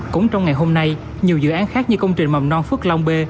cũng trong ngày hôm nay nhiều dự án khác như công trình mầm non phước long b